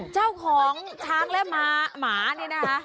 เจ้าของช้างและหมาหมาเนี่ยนะ